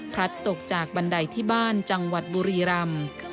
ตกจากบันไดที่บ้านจังหวัดบุรีรำ